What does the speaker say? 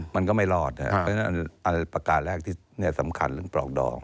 มันก็ไม่รอดประการแรกที่สำคัญเรื่องปลองดอง